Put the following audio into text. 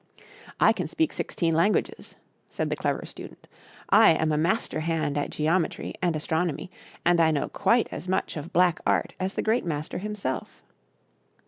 " I can speak sixteen languages," said the Clever Student, " I am a mas ter hand at geometry and astronomy, and I know quite as much of black art as the Great Master himself."